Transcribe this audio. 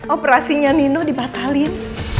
operasinya nino dibatalin